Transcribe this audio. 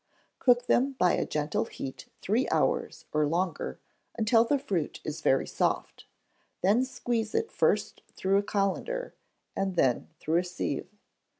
Cook them by a gentle heat three hours, or longer, until the fruit is very soft, then squeeze it first through a cullender and then through a sieve.